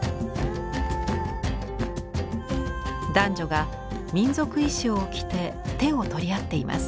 男女が民族衣装を着て手を取り合っています。